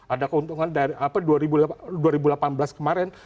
ada keuntungan dari dua ribu delapan belas kemarin